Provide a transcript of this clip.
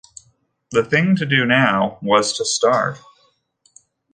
The thing to do now was to start.